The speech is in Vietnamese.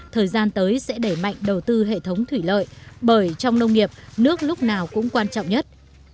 thời gian tới sẽ đẩy mạnh đầu tư hệ thống thủy lợi bởi trong nông nghiệp nước lúc nào cũng quan trọng nhất